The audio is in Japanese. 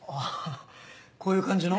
こういう感じの？